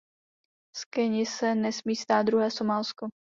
Z Keni se nesmí stát druhé Somálsko.